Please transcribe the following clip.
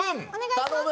頼む！